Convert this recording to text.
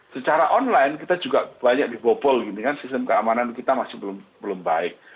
secara online kita juga banyak dibobol gitu kan sistem keamanan kita masih belum baik